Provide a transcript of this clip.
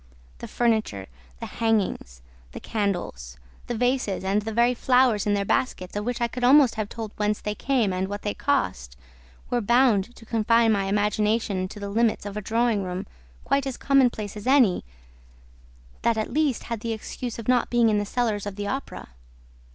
The furniture, the hangings, the candles, the vases and the very flowers in their baskets, of which I could almost have told whence they came and what they cost, were bound to confine my imagination to the limits of a drawing room quite as commonplace as any that, at least, had the excuse of not being in the cellars of the Opera.